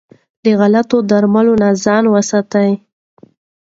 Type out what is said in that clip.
له غلطو درملنو ځان وساته.